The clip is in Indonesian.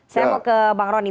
saya mau ke bang rony